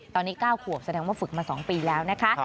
ตอนนี้๙ขวบแสดงว่าฝึกมา๒ปีแล้วนะคะ